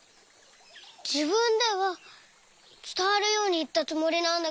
じぶんではつたわるようにいったつもりなんだけど。